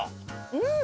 うん！